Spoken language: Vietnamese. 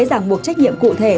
giảng buộc trách nhiệm cụ thể